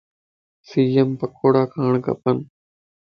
سيءَ مَ پڪوڙا کاڻ کپن